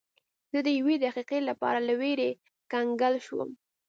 زه د یوې دقیقې لپاره له ویرې کنګل شوم.